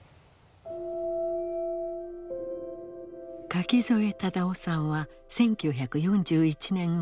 垣添忠生さんは１９４１年生まれ。